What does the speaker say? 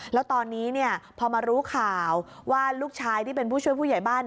แล้วตอนนี้พอมารู้ข่าวว่าลูกชายที่เป็นผู้ช่วยผู้ใหญ่บ้าน